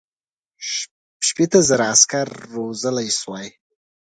شپېته زره عسکر روزلای سوای.